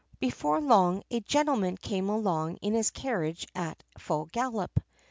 Before long a gentleman came along in his carriage at full gallop.